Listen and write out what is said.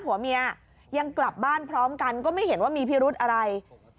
ผัวเมียยังกลับบ้านพร้อมกันก็ไม่เห็นว่ามีพิรุธอะไร